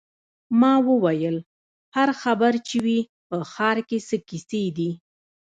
ما وویل: هر خبر چې وي، په ښار کې څه کیسې دي.